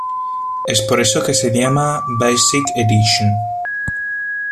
Es por eso que se llama Basic Edition.